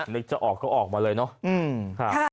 เด็กเจ้าออกเขาออกมาเลยเนาะ